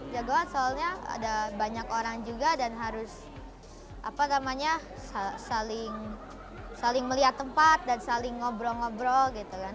jagoan soalnya ada banyak orang juga dan harus saling melihat tempat dan saling ngobrol ngobrol gitu kan